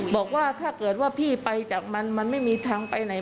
บอกว่าถ้าเกิดว่าพี่ไปจากมันมันไม่มีทางไปไหน